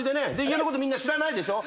家のことみんな知らないでしょ」